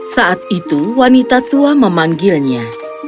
saat itu wanita tua memanggilnya